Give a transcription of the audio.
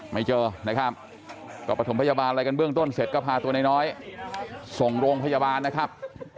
ไม่เจอนะครับก็ประถมพยาบาลอะไรกันเบื้องต้นเสร็จก็พาตัวน้อยส่งโรงพยาบาลนะครับ